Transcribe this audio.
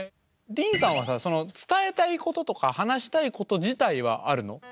りんさんはさ伝えたいこととか話したいこと自体はあるの？